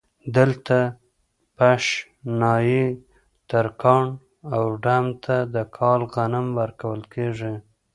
دلته پش ، نايي ، ترکاڼ او ډم ته د کال غنم ورکول کېږي